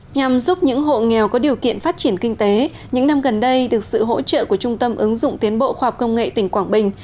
nhằm giúp những hộ nghèo có điều kiện phát triển kinh tế những năm gần đây được sự hỗ trợ của trung tâm ứng dụng tiến bộ khoa học công nghệ tỉnh quảng bình